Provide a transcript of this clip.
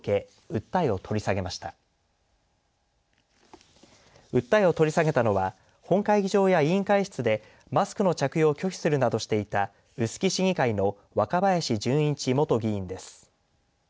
訴えを取り下げたのは本会議場や委員会室でマスクの着用を拒否するなどしていた臼杵市議会の若林純一元議員です。